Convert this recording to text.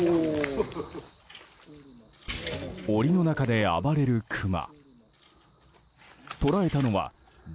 檻の中で暴れるクマ。